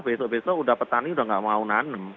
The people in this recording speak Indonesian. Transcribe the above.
besok besok udah petani udah nggak mau nanem